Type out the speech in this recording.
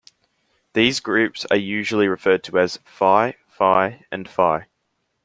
These groups are usually referred to as Fi, Fi and Fi.